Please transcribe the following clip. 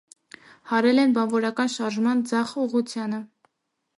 Հարել են բանվորական շարժման ձախ ուղղությանը։